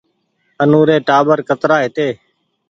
آنو ري ٽآٻر ڪترآ هيتي